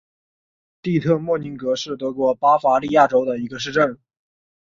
蒂特莫宁格是德国巴伐利亚州的一个市镇。